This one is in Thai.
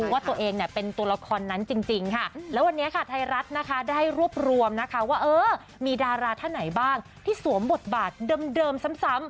ว่าตัวเองเนี่ยเป็นตัวละครนั้นจริงค่ะแล้ววันนี้ค่ะไทยรัฐนะคะได้รวบรวมนะคะว่าเออมีดาราท่านไหนบ้างที่สวมบทบาทเดิมซ้ำ